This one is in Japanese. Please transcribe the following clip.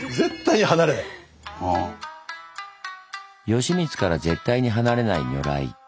善光から絶対に離れない如来。